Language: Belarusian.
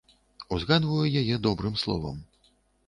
Узгадваю яе добрым словам.